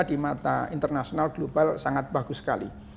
di mata internasional global sangat bagus sekali